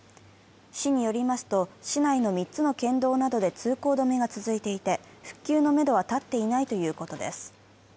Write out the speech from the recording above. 市によりますと市内の３つの県道などで通行止めが続いていて復旧のめどは立っていないということです。